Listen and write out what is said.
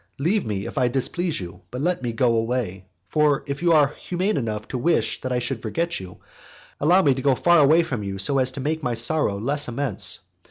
Leave me, if I displease you, but let me go away; for if you are humane enough to wish that I should forget you, allow me to go far away from you so as to make my sorrow less immense.